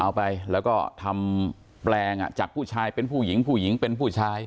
เอาไปแล้วก็ทำแปลงจากผู้ชายเป็นผู้หญิงผู้หญิงเป็นผู้ชาย